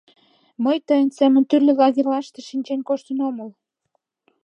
Мый тыйын семын тӱрлӧ лагерьлаште шинчен коштын омыл.